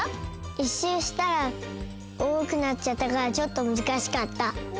１しゅうしたらおおくなっちゃったからちょっとむずかしかった。